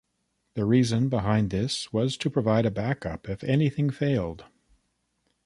The reason behind this was to provide a back-up if anything failed.